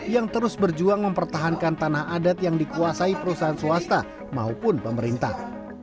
yang terus berjuang mempertahankan tanah adat yang dikuasai perusahaan swasta maupun pemerintah